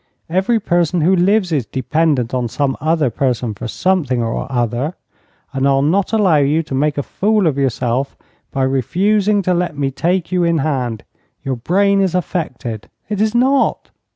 Every person who lives is dependent on some other person for something or other, and I'll not allow you to make a fool of yourself by refusing to let me take you in hand. Your brain is affected " "It is not!"